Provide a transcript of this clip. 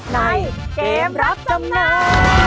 ในเกมรับจำนำ